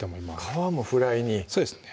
皮もフライにそうですね